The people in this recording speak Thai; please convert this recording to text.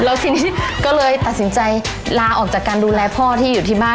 แล้วทีนี้ก็เลยตัดสินใจลาออกจากการดูแลพ่อที่อยู่ที่บ้าน